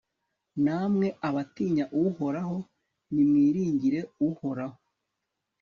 namwe abatinya uhoraho, nimwiringire uhoraho